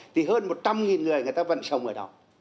thì hơn một trăm linh người người ta vẫn sống ở đó